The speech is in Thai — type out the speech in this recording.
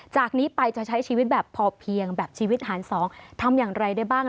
จากนี้ไปจะใช้ชีวิตแบบพอเพียงแบบชีวิตหารสองทำอย่างไรได้บ้าง